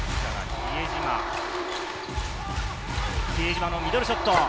比江島のミドルショット。